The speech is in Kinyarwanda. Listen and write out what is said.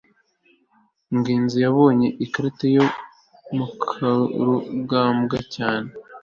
ngenzi yabonye ikarita ya mukarugambwa cyane